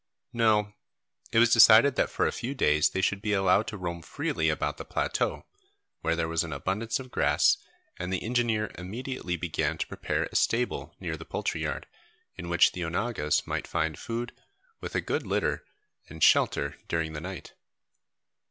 No. It was decided that for a few days they should be allowed to roam freely about the plateau, where there was an abundance of grass, and the engineer immediately began to prepare a stable near the poultry yard, in which the onagas might find food, with a good litter, and shelter during the night.